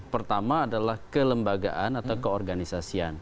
pertama adalah kelembagaan atau keorganisasian